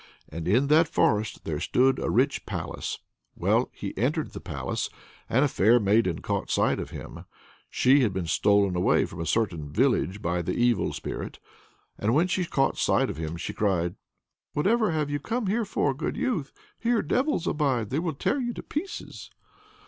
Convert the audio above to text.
And in that forest there stood a rich palace. Well, he entered the palace, and a fair maiden caught sight of him. She had been stolen from a certain village by the evil spirit. And when she caught sight of him she cried: "Whatever have you come here for, good youth? here devils abide, they will tear you to pieces."